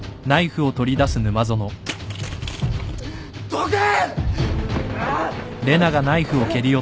・どけ！